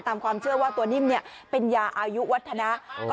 ตามความเชื่อว่าตัวนิ่มเป็นยาอายุวัฒนะ